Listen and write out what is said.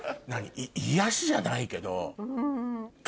癒やしじゃないけど。